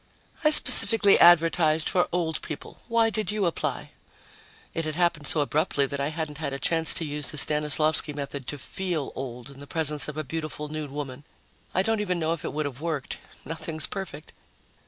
"I specifically advertised for old people. Why did you apply?" It had happened so abruptly that I hadn't had a chance to use the Stanislavsky method to feel old in the presence of a beautiful nude woman. I don't even know if it would have worked. Nothing's perfect.